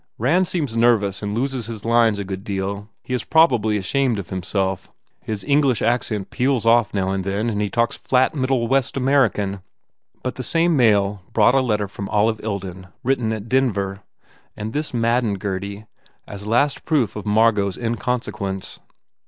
Rand seems nervous and loses his lines a good deal. He is probably ashamed of himself. His English accent peels off now and then and he talks flat Middle West American," but the same mail brought a letter from Olive Ilden, written at Den 278 THE WALLING ver, and this maddened Gurdy, as last proof of Margot s inconsequence.